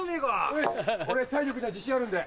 ういっす俺体力には自信あるんで。